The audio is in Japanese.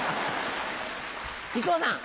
木久扇さん。